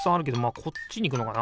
こっちにいくのかな？